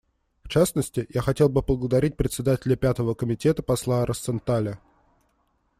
В частности, я хотел бы поблагодарить Председателя Пятого комитета посла Росенталя.